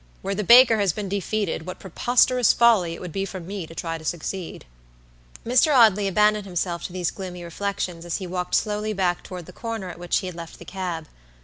Where the baker has been defeated, what preposterous folly it would be for me to try to succeed." Mr. Audley abandoned himself to these gloomy reflections as he walked slowly back toward the corner at which he had left the cab.